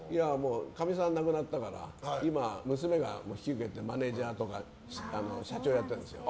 かみさん亡くなったから今は娘が引き受けてマネジャーとか社長やってるんですよ。